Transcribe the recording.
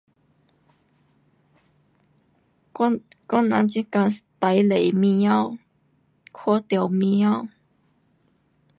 我，我人这角最多猫。看到猫。